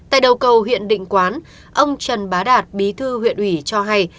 tại đầu cầu huyện định quán ông trần bá đạt bí thư huyện ủy cho hay